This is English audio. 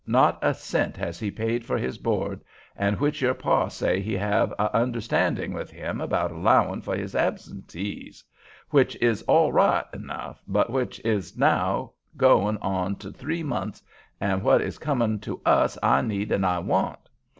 Not a cent has he paid for his board, and which your pa say he have a' understandin' with him about allowin' for his absentees, which is all right enough, but which it's now goin' on to three mont's, and what is comin' to us I need and I want.